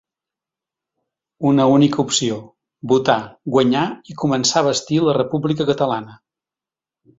Una única opció: votar, guanyar i començar a bastir la república catalana.